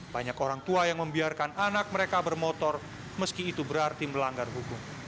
banyak orang tua yang membiarkan anak mereka bermotor meski itu berarti melanggar hukum